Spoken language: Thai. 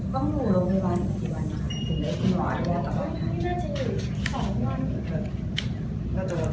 ผ่านไปแค่แบบไม่ถึงชั่วโมงด้วย